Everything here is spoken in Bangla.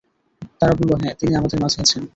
তারা বলল, হ্যাঁ, তিনি আমাদের মাঝে আছেন।